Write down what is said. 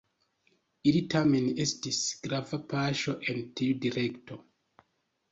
Ili tamen estis grava paŝo en tiu direkto.